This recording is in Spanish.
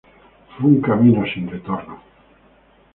Fue un camino sin retorno.